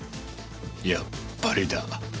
やっぱりだ。